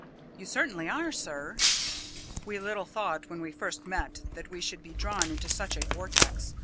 "You certainly are, sir." "We little thought when first we met that we should be drawn into such a vortex.